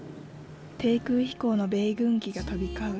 低空飛行の米軍機が飛び交う